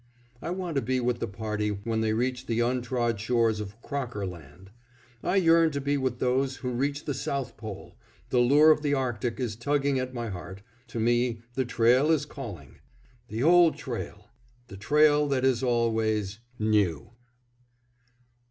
I want to be with the party when they reach the untrod shores of Crocker Land; I yearn to be with those who reach the South Pole, the lure of the Arctic is tugging at my heart, to me the trail is calling! "The Old Trail! The Trail that is always New!"